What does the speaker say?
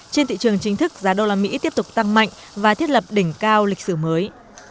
trên thị trường chính thức giá đô la mỹ tiếp tục tăng mạnh và thiết lập đỉnh cao lịch sử mới